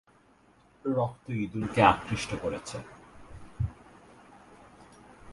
রক্ত ইঁদুরকে আকৃষ্ট করেছে।